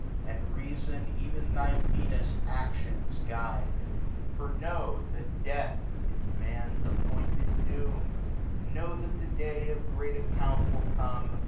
And Reafon ev'n thy meaneft Adions guide : For know that Death is Man's appointed Doom, Know ^at t)ie Dsw^of great Account will come